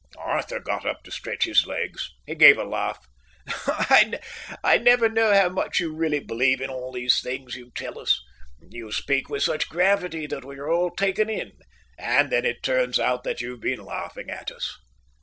Arthur got up to stretch his legs. He gave a laugh. "I never know how much you really believe of all these things you tell us. You speak with such gravity that we are all taken in, and then it turns out that you've been laughing at us."